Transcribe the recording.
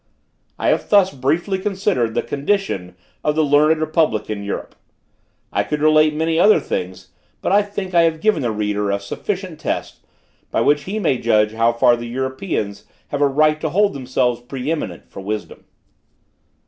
"I have thus briefly considered the condition of the learned republic in Europe. I could relate many other things, but I think I have given the reader a sufficient test, by which he may judge how far the Europeans have a right to hold themselves preëminent for wisdom.